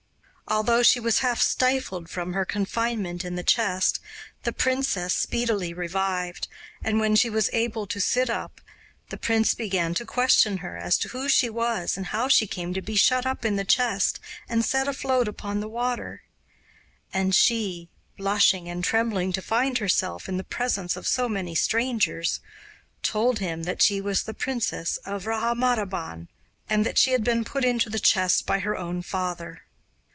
Although she was half stifled from her confinement in the chest, the princess speedily revived, and, when she was able to sit up, the prince began to question her as to who she was and how she came to be shut up in the chest and set afloat upon the water; and she, blushing and trembling to find herself in the presence of so many strangers, told him that she was the princess of Rahmatabad, and that she had been put into the chest by her own father.